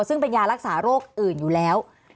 ซึ่งเป็นยารักษาโรคอื่นอยู่แล้ว